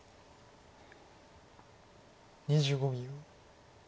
２５秒。